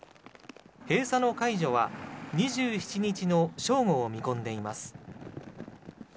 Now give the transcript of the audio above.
閉鎖の解除は２７日の正午を見込んでいます。